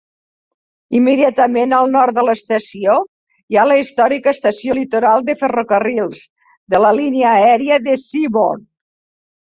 Immediatament al nord de l'estació hi ha la històrica Estació Litoral de Ferrocarrils de Línia Aèria de Seaboard.